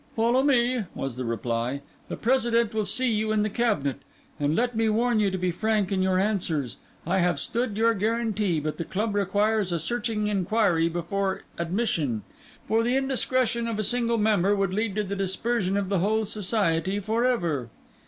"Follow me," was the reply. "The President will see you in the cabinet. And let me warn you to be frank in your answers. I have stood your guarantee; but the club requires a searching inquiry before admission; for the indiscretion of a single member would lead to the dispersion of the whole society for ever."